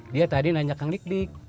dia tadi nanya kang likdik